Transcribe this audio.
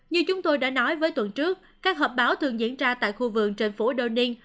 như chúng tôi đã nói với tuần trước các hợp báo thường diễn ra tại khu vườn trên phố đô niên